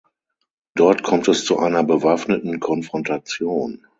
Dort kommt es zu einer bewaffneten Konfrontation.